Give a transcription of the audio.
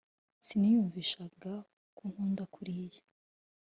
siniyumvishaga kunkunda kuriya